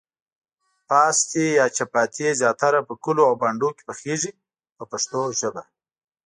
پاستي یا چپاتي زیاتره په کلیو او بانډو کې پخیږي په پښتو ژبه.